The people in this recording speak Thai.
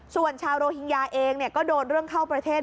ส่วนชาวโรฮิงญาเองก็โดนเรื่องเข้าประเทศ